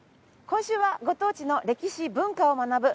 今週は「ご当地の歴史・文化を学ぶ」。